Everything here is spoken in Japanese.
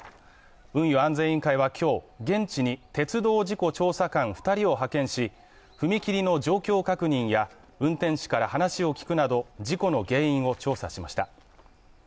運輸安全委員会は今日、現地に鉄道事故調査官２人を派遣し、踏切の状況確認や運転士から話を聞くなど事故の原因を調査しました。